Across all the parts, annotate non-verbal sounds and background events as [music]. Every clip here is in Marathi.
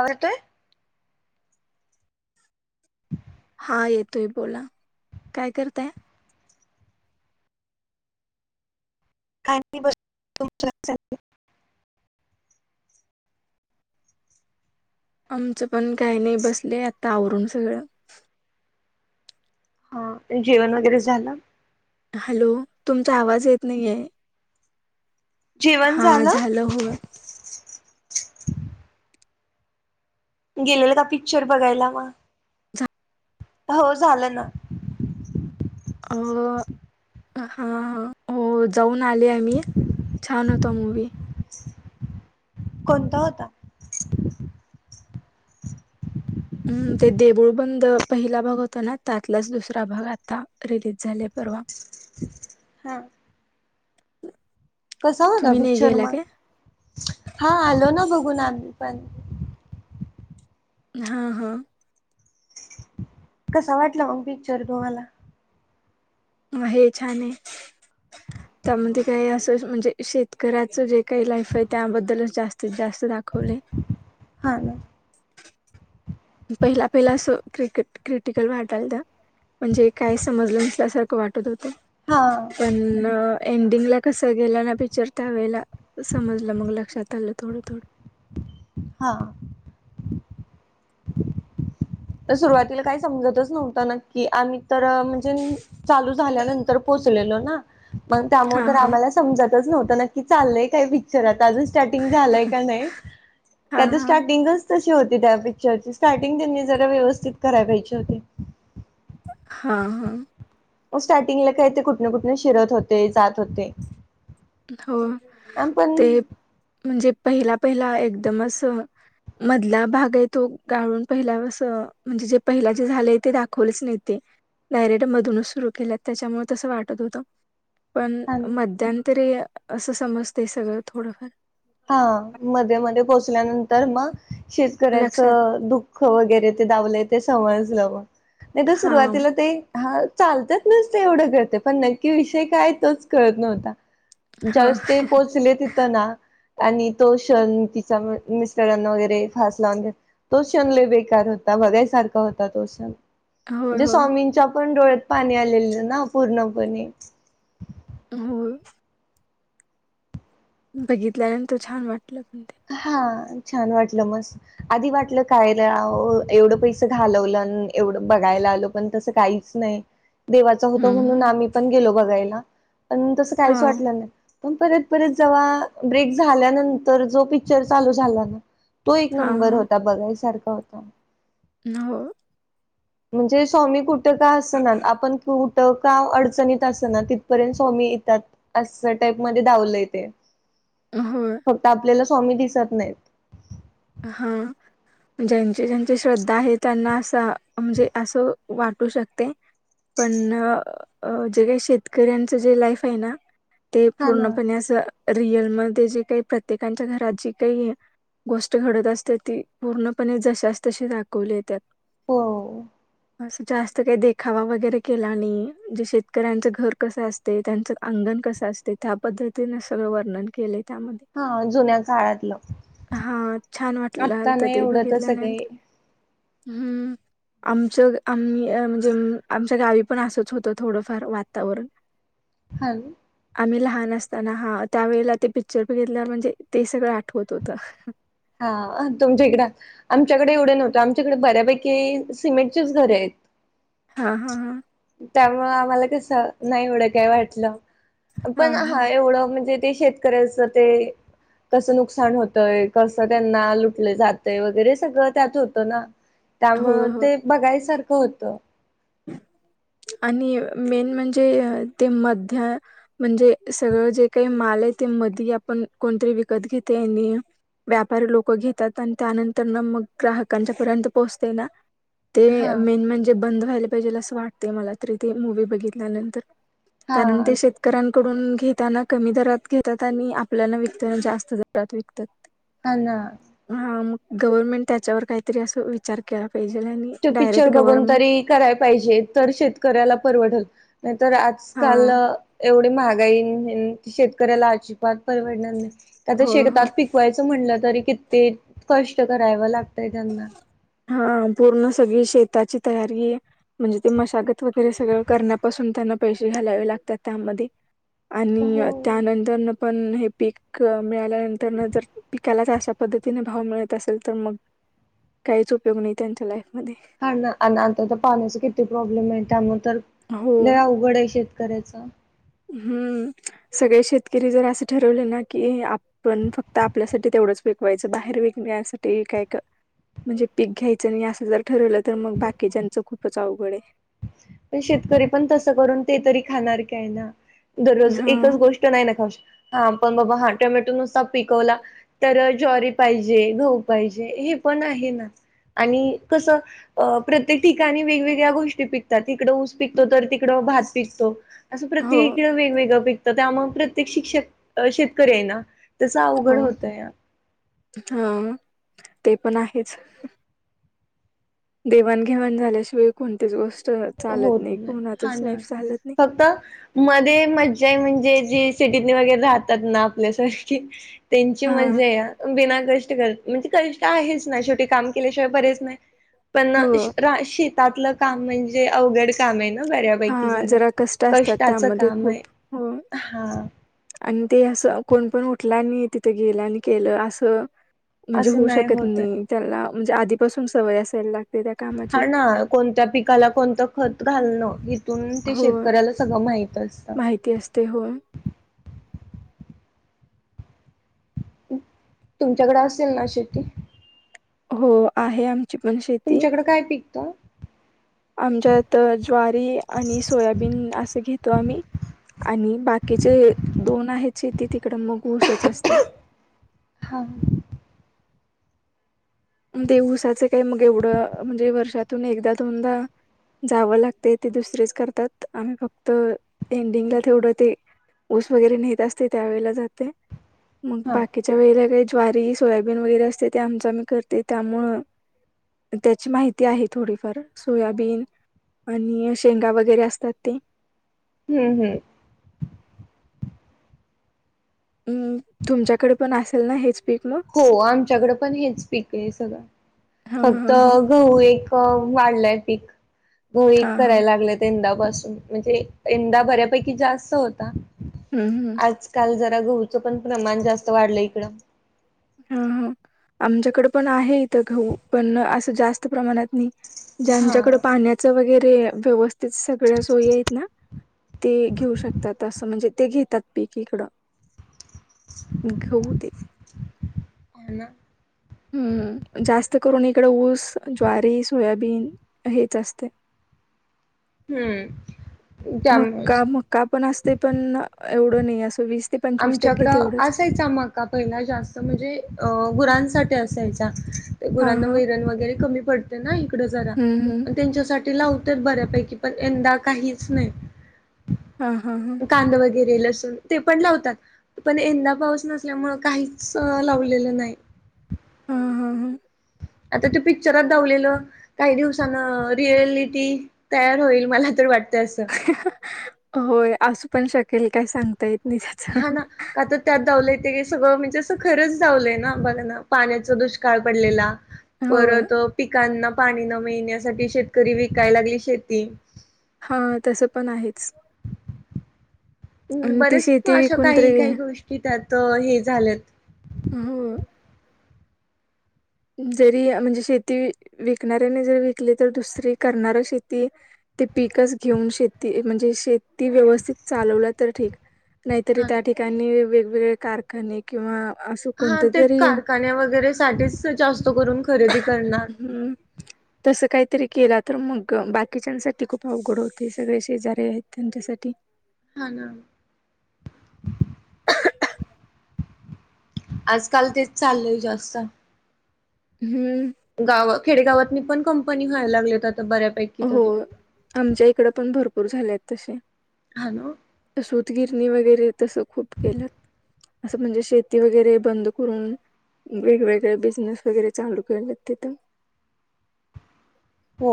आवाज येतोय? [inaudible] हा येतोय बोला. काय करताय? काय नै बस [inaudible] आमचं पण काय नै. बसले आता आवरून सगळं. हं. जेवण वगैरे झालं? हॅलो. तुमचा आवाज येत नाहीये. जेवण हा झालं? हो गेलेलं का पिक्चर बगायला म? हो झालं ना. अ हा हा हो जाऊन आले आम्ही. छान होता मूवी. कोणता होता? हम्म ते देऊळबंद पहिला भाग होता ना, त्यातलाच दुसरा भाग आता रिलीज झाला परवा हां [inaudible] कसा होता तुम्ही नाही पिक्चर गेला म? काय हा आलो ना बघून आम्ही पण. हां हां. कसं वाटला मग पिक्चर तुम्हाला? हे छानहे. [inaudible] त्यामध्ये काही असं म्हणजे शेतकऱ्याचं जे काही लाईफ आहे त्याबद्दलच जास्तीत जास्त दाखवलय. हा न पहिला पहिला असं क्रिकट क्रिटिकल वाटायलं म्हणजे काय समजलं नसल्यासारखं वाटत होतं. हा पण एंडिंग ला कस गेलं ना पिक्चर वेला समजलं मग लक्षात आलं थोडं थोडं हा [unintelligible] तर सुरुवातीला काही समजतच नव्हतं नक्की, आम्ही तर म्हणजे चालू झाल्यानंतर पोचलेलो ना. मग त्यामुळे हा तर हा आम्हाला समजतच नव्हतं नक्की चाललंय काय पिक्चरात अजून स्टार्टींग झालंय का नै, हा त्याचं हा स्टार्टिंगच तशी होती त्या पिक्चरची स्टार्टिंग त्यांनी जरा व्यवस्थित कराय पायजे होते. हां हां. मग स्टार्टिंगला काय ते कुठनं कुठनं शिरत होते, जात होते. हो पण ते म्हणजे पहिला पहिला एकदमच मधला भाग आहे तो गाळून पहिला म्हणजे जे पहिला जे झालंय ते दाखवलेच नाही ते डायरेट मधूनच सुरू केल्यात त्याच्यामुळे तसं वाटत होतं पण मध्यांतरी असं समजते सगळं थोडंफार हा मध्ये मध्ये पोहोचल्यानंतर मग लक्षात शेतकऱ्याचं दुख ख वगैरे ते दावलंय ते समजलं नाही तर हा सुरुवातीला ते हा चालतच नस ते एवढं करते पण नक्की विषय काय तोच कळत नव्हता हा जवेस् ते पोहोचले तिथं ना आणि तो श तिचा मिस्टरना वगैरे फास लावून तो कण ल बेकार होता बघायसारखा होता तो कण होय म्हणजे होय स्वामींच्या पण डोळ्यात पाणी आलेलं ना पूर्णपणे हो बघितल्यानंतर छान वाटलं पण ते हा छान वाटलं मस् आधी वाटलं कायला एवढं पैस घालवलं एवढं बघायला आल पण तस काही तस नाय देवाचा होत म्हणून हम्म. आम्ही पण गेलो बघायला पण तस हा काहीच वाटलं नाय. पण परत परत जव्हा ब्रेक झाल्यानंतर जो पिक्चर चालू झाला ना तो एक हा नंबर हा होता. बघायसारखा होता. हो. म्हणजे स्वामी कुठं का असना आपण कुठं का अडचणीत असना तिथपर्यंत स्वामी येतात. अस टाईप मध्ये दावलंय ते होय. फक्त आपल्याला स्वामी दिसत नाहीत. हा ज्यांचे ज्यांची श्रद्धा आहे त्यांना असं म्हणजे असं वाटू शकतय पण जे काय शेतकऱ्यांच जे लाईफ हाय ना ते हा ना पूर्णपणे असं रिअलमध्ये जे काही प्रत्येकांच्या घरात जी काई घडत असते ती पूर्णपणे जशाच तशी दाखवलीये त्यात हो. असं जास्त काय देखावा वगैरे केला नई म्हजे शेतकऱ्यांचं घर कसं अस ते त्यांचं अंगण कस असतय त्या पद्धतीने सगळं वर्णन केलय. त्यामध्ये हा जुन्या काळातलं हा छान वाटल आत्ता आलत नाही ते एवढं तर सगळे बघितल्यानंतर हम्म आमचं आम्ही म्हणजे आमच्या गावी पण असंच होतं थोडंफार वातावरण हॅल आम्ही लहान असताना हा त्यावेेळेला ते पिक्चर बघीतल्यावर म्हणजे ते सगळं आठवत होतं. हा तुमच्या इकड आमच्याकडे एवढं नव्हतं आमच्याकडे बऱ्यापैकी सिमेंटचीच घर आहेत. हा हा हा त्यामुळ आम्हाला कस नाय एवढं काय वाटलं पण हा एवढं म्हणजे ते शेतकऱ्याचं ते कसं नुकसान होतंय कसं त्यांना लुटलं जातय वगैरे सगळं त्यात होतं ना त्यामुळ होय होय. ते बघायसारखं होत. [inaudible] आणि मेन म्हणजे अ ते मध्य म्हणजे सगळं जे काय माल ये ते मध आपण कोणतरी विकत घेतय आणि व्यापारी लोक घेतात आणि त्यानंतर ना मग ग्राहकांच्या पर्यंत पोहोचतय ना ते हा मेन म्हणजे बंद व्हायला पाहिजेल असं वाटतय मला तरी ते मूवी बघितल्यानंतर हा कारण ते शेत शेतकऱ्यांकडून घेताना कमी दरात घेतात आणि आपल्याला विकताना जास्त दरात विकतात. हा ना ह मग गव्हर्नमेंट त्याच्यावर कायतरी असं विचार केला पाहिजे आणि डायरेक्ट गव्हर्नमेंट कराय पाहिजे तर शेतकऱ्याला परवडलं नाय तर हा आजकाल एवढी महागाई हिणं शेतकऱ्याला अजिबात परवडणार नाही का तर हो हो शेतात पिक कवायचं म्हटलं तरी किती कष्ट कराव लागतंय त्यांना हा पूर्ण सगळी शेताची तयारी म्हणजे ते मशागत वगैरे सगळं करण्यापासून त्यांना पैसे घालावे लागतात त्यामध्ये आणि हो. त्यानंतर न पण हे पीक मिळाल्यानंतरन जर पिकालाच अशा पद्धतीने भाव मिळत असल तर मग काहीच उपयोग नाही त्यांच्या लाईफमध्ये हा ना आन आता तर पाण्याचे किती प्रॉब्लेम ये त्यामुळं तर हो लई अवघड हाय शेतकऱ्याच हम्म सगळे शेतकरी जर असं ठरवले ना की आप पण फक्त आपल्यासाठी तेवढंच विकवायचं बाहेर विकण्यासाठी काय का म्हणजे पीक घ्यायचं नाही असं जर ठरवलं तर मग बाकीच्याचं खूपच अवघड आहे. पण शेतकरी पण तसं करून ते तरी खाणार काय ना आहे दररोज एकच हा गोष्ट तसं नाही ना खाऊ शकत हा पण बाबा हा टोमॅटो नुससा पिकवला तर ज्वारी पाहिजे गहू पाहिजे हे पण आहे ना आणि कसं अ प्रत्येक ठिकाणी वेगवेगळ्या गोष्टी पिक तिकडं ऊस पिकतो तर तिकडं भात पिकतो असं हो प्रत्येकाकडे वेगवेगळं पिक तर त्यामुळे प्रत्येक शिक्षक शेतकरी आहे ना त्याचं अवघड हो होतंया. हा ते पण आहेच. देवाणघेवाण झाल्याशिवाय कोणतीच गोष्ट हो चालत नाही ना हा कोणाचच ना लाईफ चालत नाही फक्त मध्ये मज्जा आहे म्हणजे जे सिटीतले वगैरे राहतात ना आपल्यासारखे त्यांची हा मजा आहे बिना कष्ट कर म्हणजे कष्ट आहेच ना शेवटी काम केल्याशिवाय बरेचं पण ना हो शेतातल काम म्हणजे अवघड काम आहे ना बऱ्यापैकी हा जरा कष्ट असतात कष्टाच त्यामध्ये काम आहे खूप हो हा आणि ते असं कोण पण उठलं आणि तिथं गेलं आणि केलं असं म्हणजे असं होऊ शकत होतय नाही त्याला म्हणजे आधीपासून सवय असायला लागते त्या कामात हा ना कोणत्या पिकाला कोणतं खत घालणं‌. ते हो शेतकऱ्याला सगळं माहित असतं. तेह तुमच्याकडे असेल ना शेती हो आहे आम तुमच्याकडं काय पिकतं आमच्या इथं ज्वारी आणि सोयाबीन असं घेतो आम्ही आणि बाकीचे दोन आहेत शेती तिकडं मग ऊसच असते. हा दिवसाचं काही मग एवढं म्हणजे वर्षातून एकदा दोनदा जावं लागते ते दुसरेच करतात आम्ही फक्त एंडिंगला तेवढं ते ऊस वगैरे नेत असते त्यावेेळेला जाते. मग हा बाकीच्या वेळेला काही ज्वारी सोयाबीन वगैरे असते ते आमच आम्ही कर. ते त्यामुळ त्याची माहिती आहे थोडीफार सोयाबीन. आणि शेंगा वगैरे असतात ते. हम्म हम् हम् तुमच्याकडे पण असेल ना हेचं हो आमच्याकडें पण हेच पीक ये सगळं हा फक्त हा हा गहू एक वाढलाय पीक गहू हा एक हा करायला लागले. यंदापासून म्हणजे यंदा बऱ्यापैकी जास्त होता. हम् हम.. आज काल जरा गहूचं पण प्रमाण जास्त वाढलं इकडं ह आमच्याकडे पण आहे इथं घऊ पण असं जास्त प्रमाणात नाही. ज्यांच्याकड हा. पाण्याच वगैरे व्यवस्थित. सगळ्या सोयी आहेत ना ते घेऊ शकतात असं म्हणजे ते घेतात. पीकडं घऊ ते. ह ना. हम्म. जास्त करून इकडे ऊस, ज्वारी, सोयाबीन हेच असते. [inaudible] [inaudible] हम्म त्यामुळेच. मक्का, मक्का पण असतय, पण एवढं नाही असं वीस- ते पंचवीस टक्के आमच्याकडं तेवढंच असायचं- माक पहिला जास्त म्हणजे अ.. गुरांसाठी असायचा. ते हा गुरांना हा वैरण वगैरे कमी पडते ना इकडं जरा हम्म हम्म आणि त्यांच्यासाठी लावत- तर बऱ्यापैकी पण यंदा काहीच नाही. हा, हा, हा.. कांदा वगैरे लसून ते. पण लावतात, पण यंदा पाऊस नसल्यामुळे काहीच लावलेलं नाही. हम, हा, हां.. आता ते पिक्चरात दावलेलं- काही दिवसान रिअलिटी तयार होईल, मला तर वाटत असं. होय, असू पण शकेल काय सांगु- त येत नाही. हा त्याच ना का आता- त्यात दावलंय ते, सगळं म्हणजे असं खरंच दावलंय ना, बघ ना पाण्याचा दुष्काळ पडलेला- होय परत पिकांना पाणी न मिळण्यासाठी शेतकरी विकायला लागली शेती. हा तसं पण आहेच. आणि ती बरेच शेती अशा विकून तरी काही, काही गोष्टी त्यात हे झाल्यात. हो. [unintelligible] जरी म्हणजे शेती विकणाऱ्याने जर विकली, तर दुसरी करणार शेती- ते पीकच घेऊन शेती म्हणजे शेती व्यवस्थ- त चालवला तर ठिक, नाहीतरी त्या ठिकाणी वेगवेगळे कार- खाणे किंवा असं कोणतं तरी- ण्या वगैरे साठीच जास्त करून खरेदी करणार. हम्म, तसं काहीतरी केला तर, मग बाकीच्यासाठी खूप अवघड होते सगळे शेजारे आहेत त्यांच्यासाठी. हा ना. आजकाल तेच चाललंय जास्त. हम्म. गाव खेडेगावातनी पण कंपनी व्हायला लागलेत आता बऱ्यापैकी. तरी होय, आमच्याइकड पण भरपूर झालेत तसे. हॅलो! [unintelligible] सूतगिरणी वगैरे तसं खूप केलंत. असं म्हणजे शेती वगैरे बंद करून- वेगवेगळे बिझनेस वगैरे चालू केला तिथं. हो.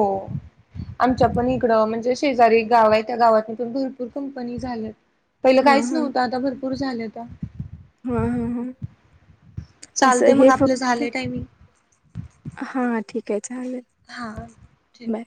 आमच्या पण इकडं म्हणजे शेजारी गाव आहे, त्या गावात पण भरपूर कंपनी झाल्यात. पहिलं काहीच नव्हतं, आता भरपूर झाल्यात. हं, हं, हं, ह असं चालते हे मग आपलं फक्त- झाले टायमिंग हां ठीक आहे चालेल, हा ठेव बाय.